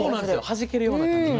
はじけるような感じ。